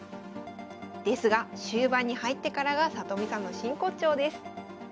ですが終盤に入ってからが里見さんの真骨頂です。